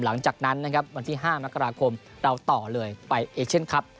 หลังจากนั้นนะครับวันที่๕มกราคมเราต่อเลยไปเอเชียนครับ